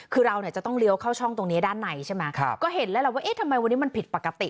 คือเราเนี่ยจะต้องเลี้ยวเข้าช่องตรงนี้ด้านในใช่ไหมครับก็เห็นแล้วแหละว่าเอ๊ะทำไมวันนี้มันผิดปกติ